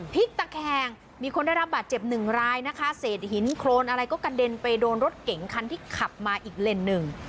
พลิกตะแคงมีคนได้รับบาดเจ็บหนึ่งรายนะคะเศษหินโครนอะไรก็กระเด็นไปโดนรถเก๋งคันที่ขับมาอีกเลนหนึ่ง